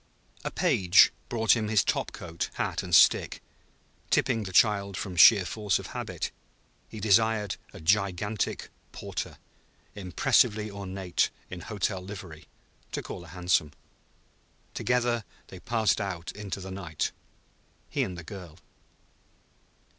A page brought him his top coat, hat and stick; tipping the child from sheer force of habit, he desired a gigantic porter, impressively ornate in hotel livery, to call a hansom. Together they passed out into the night, he and the girl.